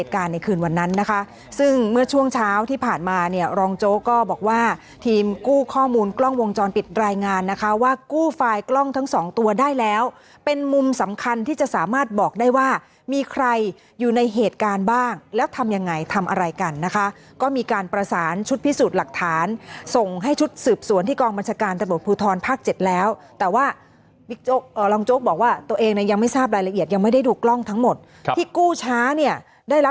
การในคืนวันนั้นนะคะซึ่งเมื่อช่วงเช้าที่ผ่านมาเนี้ยรองโจ๊กก็บอกว่าทีมกู้ข้อมูลกล้องวงจรปิดรายงานนะคะว่ากู้ไฟล์กล้องทั้งสองตัวได้แล้วเป็นมุมสำคัญที่จะสามารถบอกได้ว่ามีใครอยู่ในเหตุการณ์บ้างแล้วทำยังไงทำอะไรกันนะคะก็มีการประสานชุดพิสูจน์หลักฐานส่งให้ชุดสืบสวนที่กองบัญชาการ